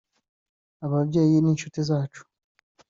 ababyeyi n’inshuti zacu